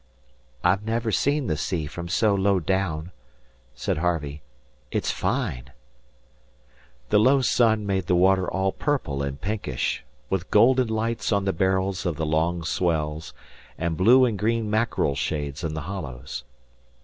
"I've never seen the sea from so low down," said Harvey. "It's fine." The low sun made the water all purple and pinkish, with golden lights on the barrels of the long swells, and blue and green mackerel shades in the hollows.